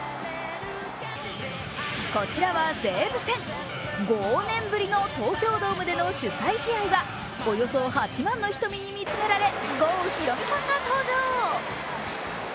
こちらは西武戦、ゴー年ぶりの東京ドームでの主催試合はおよそ８万の瞳に見つめられ郷ひろみさんが登場。